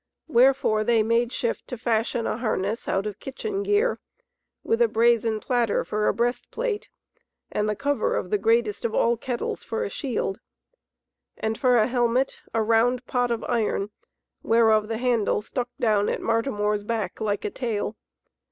Wherefore they made shift to fashion a harness out of kitchen gear, with a brazen platter for a breast plate, and the cover of the greatest of all kettles for a shield, and for a helmet a round pot of iron, whereof the handle stuck down at Martimor's back like a tail.